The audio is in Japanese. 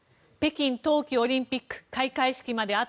北京冬季オリンピック開会式まで